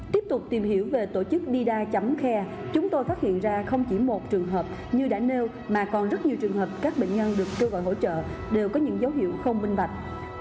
tiếp tục tìm hiểu về tổ chức dida khe chúng tôi phát hiện ra không chỉ một trường hợp như đã nêu mà còn rất nhiều trường hợp các bệnh nhân được kêu gọi hỗ trợ đều có những dấu hiệu không minh bạch